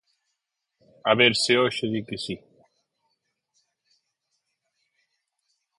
A ver se hoxe di que si.